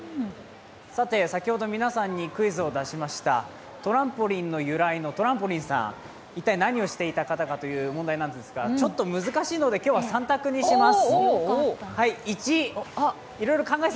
さて先ほど、皆さんにクイズを出しました、トランポリンの由来のトランポリンさん、一体、何をしていた方かという問題なんですがちょっと難しいので今日は３択にします。